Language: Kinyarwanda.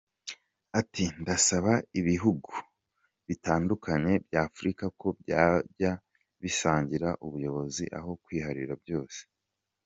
Ati “Ndasaba ibihugu bitandukanye bya Afurika ko byajya bisangira ubuyobozi aho kwiharira byose.